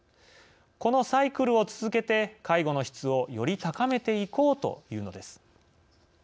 このサイクルを続けて介護の質をより高めていこうというのです。